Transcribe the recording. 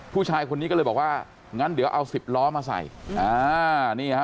ผู้ชายคนนี้ก็เลยบอกว่างั้นเดี๋ยวเอาสิบล้อมาใส่อ่านี่ฮะ